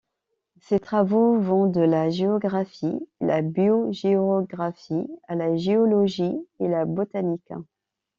Ses travaux vont de la géographie et biogéographie à la géologie et la botanique.